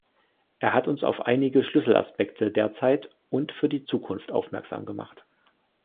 Er hat uns auf einige Schlüsselaspekte derzeit und für die Zukunft aufmerksam gemacht.